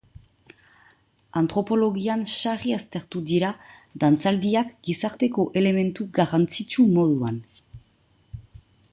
Antropologian sarri aztertu dira dantzaldiak gizarteko elementu garrantzitsu moduan.